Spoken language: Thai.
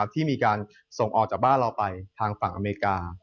ที่มีการส่งออกจากบ้านเราไปทางฝั่งอเมริกา